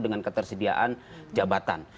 dengan ketersediaan jabatan